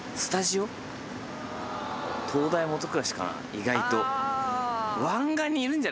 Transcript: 意外と。